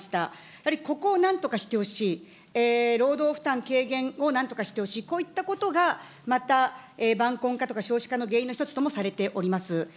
やはりここをなんとかしてほしい、労働負担軽減をなんとかしてほしい、こういったことが、また晩婚化とか、少子化の原因の一つともされております。